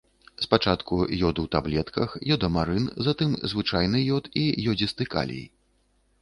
Спачатку ёд ў таблетках, ёдамарын, затым звычайны ёд і ёдзісты калій.